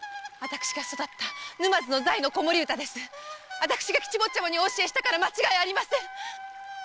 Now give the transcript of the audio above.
私が吉坊ちゃまにお教えしたから間違いありません！